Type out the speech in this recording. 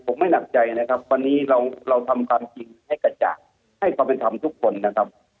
ผมไม่หนักใจนะครับวันนี้เราทำความจริงให้กระจ่างให้ความเป็นธรรมทุกคนนะครับ